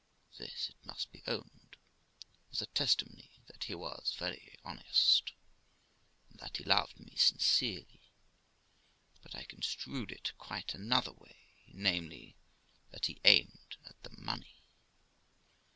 This, it must be owned, was a testimony that he was very honest, and that he loved me sincerely; but I construed it quite another way, namely, 278 TIIE LIFE OF ROXANA that he aimed at the money.